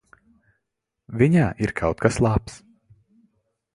Viņā ir kaut kas labs.